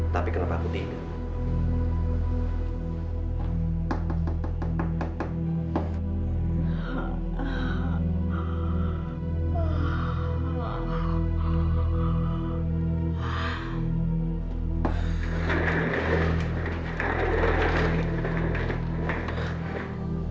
tapi kenapa aku tidak